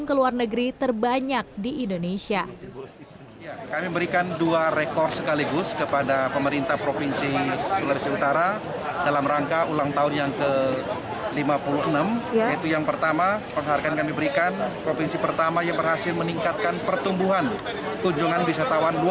kedua sektor ini menjadi pendong kerasa